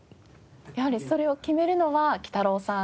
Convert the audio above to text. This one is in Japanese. やはりそれを決めるのはきたろうさん？